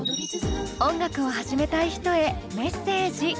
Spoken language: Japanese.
音楽を始めたい人へメッセージ。